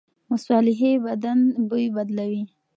مصالحې بدن بوی بدلوي.